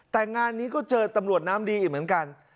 แต่งานนี้ก็เจอตำรวจน้ำดีอีกเหมือนกัน